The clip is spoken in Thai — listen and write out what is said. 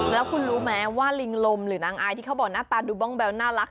แล้วคุณรู้ไหมว่าลิงลมหรือนางอายที่เขาบอกหน้าตาดูบ้องแบ๊วน่ารัก